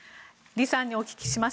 李さんにお聞きします。